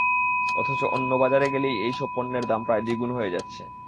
অথচ অন্য বাজারে গেলেই এই সব পণ্যের দাম প্রায় দ্বিগুণ হয়ে যাচ্ছে।